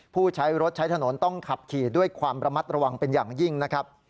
ผู้ใช้รถใช้ถนนต้องขับขี่ด้วยความระมัดระวังเป็นอย่างยิ่งนะครับ